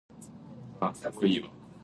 他今年上小学了